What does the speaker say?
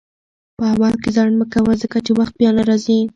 په عمل کې ځنډ مه کوه، ځکه چې وخت بیا نه راځي.